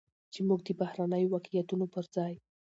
چې موږ د بهرنيو واقعيتونو پرځاى